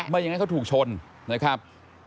ไม่งั้นเขาถูกชนนะครับ